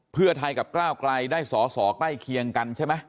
เพื่อไทยกับก้าวไกลได้สอสอใกล้เคียงกันใช่ไหม